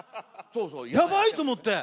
やばいと思って。